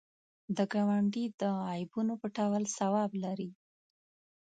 د ګاونډي د عیبونو پټول ثواب لري